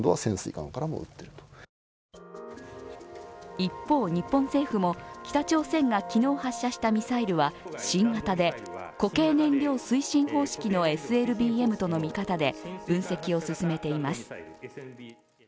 一方、日本政府も北朝鮮が昨日発射したミサイルは新型で、固形燃料推進方式のＳＬＢＭとの見方で分析を進めています。